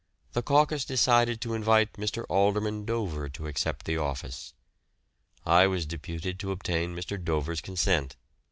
The caucus decided to invite Mr. Alderman Dover to accept the office. I was deputed to obtain Mr. Dover's consent.